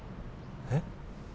えっ？